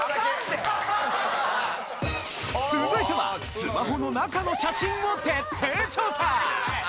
続いては、スマホの中の写真を徹底調査。